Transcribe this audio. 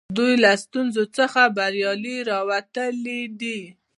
دوی له ستونزو څخه بریالي راوتلي دي.